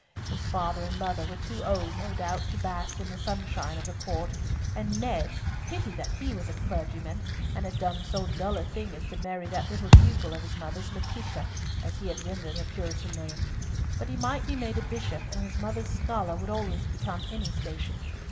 His father and mother were too old, no doubt, to bask in the sunshine of the Court, and Ned—pity that he was a clergyman, and had done so dull a thing as marry that little pupil of his mother's, Laetitia, as he had rendered her Puritan name. But he might be made a bishop, and his mother's scholar would always become any station.